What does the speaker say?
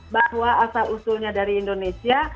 bahwa asal usulnya dari indonesia